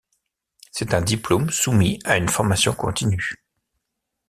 C'est un diplôme soumis à une formation continue.